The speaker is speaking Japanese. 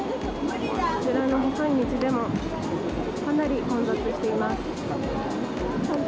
こちらの細い道でもかなり混雑しています。